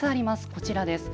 こちらです。